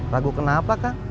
ragu kenapa kang